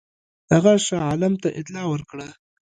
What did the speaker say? هغه شاه عالم ته اطلاع ورکړه.